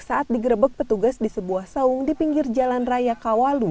saat digerebek petugas di sebuah saung di pinggir jalan raya kawalu